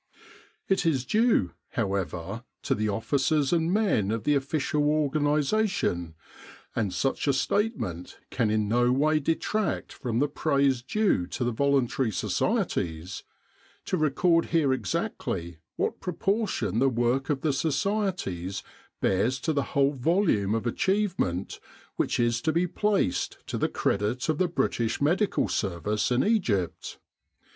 It is due, however, to the officers and men of the official organisation ^ and such a statement can in no way detract from the praise due to the voluntary societies to record here exactly what proportion the work of the societies bears to the whole volume of achievement which is to be placed to the credit of the British Medical Service in Egypt.